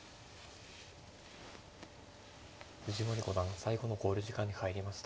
藤森五段最後の考慮時間に入りました。